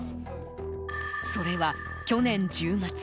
それは、去年１０月。